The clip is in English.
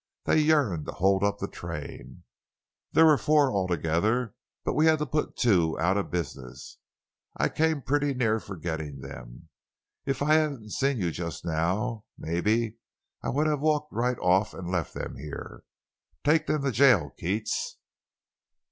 They yearned to hold up the train. There were four, all together, but we had to put two out of business. I came pretty near forgetting them. If I hadn't seen you just now, maybe I would have walked right off and left them here. Take them to jail, Keats."